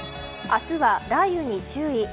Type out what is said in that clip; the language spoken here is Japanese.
明日は雷雨に注意。